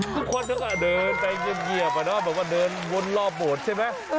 คือทุกคนก็เดินไปเหยียบว่าเดินวนรอบโหมดใช่ไหม